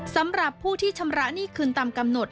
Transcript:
สำหรับผู้ที่ชำระหนี้คืนตามกำหนด